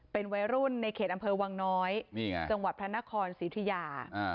เป็นวัยรุ่นในเขตอำเภอวางน้อยจังหวัดพนัคคนศิริยา